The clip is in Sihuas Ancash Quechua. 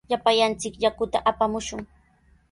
Llapallanchik yakuta apamushun.